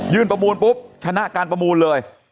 ประมูลปุ๊บชนะการประมูลเลย